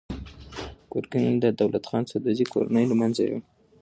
ګورګین د دولت خان سدوزي کورنۍ له منځه یووړه.